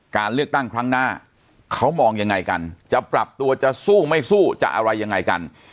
การเลือกตั้งครั้งหน้าเขามองยังไงกันจะปรับตัวจะสู้ไม่สู้จะอะไรยังไงกัน